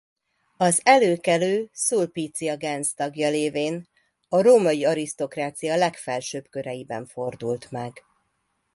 Az előkelő Sulpicia gens tagja lévén a római arisztokrácia legfelsőbb köreiben fordult meg.